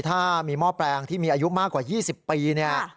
ถ้ามีหม้อแปลงที่มีอายุมากกว่า๒๐ปีเนี่ย